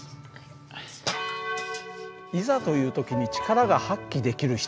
いざという時に力が発揮できる人。